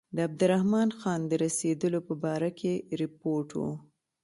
د عبدالرحمن خان د رسېدلو په باره کې رپوټ و.